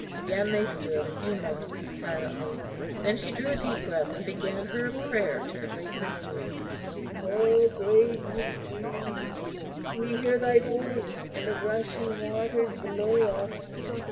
Again they stood a few moments silently; then she drew a deep breath and began her prayer to the Great Mystery: "O, Great Mystery, we hear thy voice in the rushing waters below us!